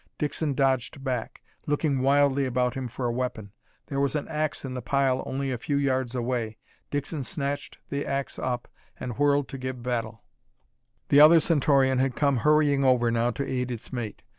Dixon dodged back, looking wildly about him for a weapon. There was an ax in the pile only a few yards away. Dixon snatched the ax up, and whirled to give battle. The other Centaurian had come hurrying over now to aid its mate.